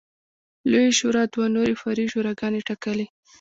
لویې شورا دوه نورې فرعي شوراګانې ټاکلې